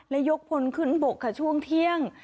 และยกพลขึ้นบกค่ะช่วงเที่ยง